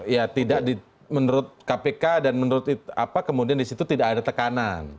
ya tidak menurut kpk dan menurut apa kemudian disitu tidak ada tekanan